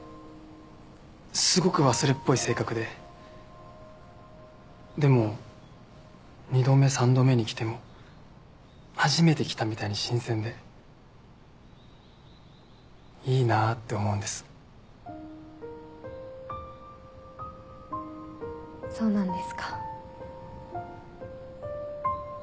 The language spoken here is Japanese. すごく忘れっぽい性格ででも２度目３度目に来ても初めて来たみたいに新鮮でいいなって思うんですそうなんですか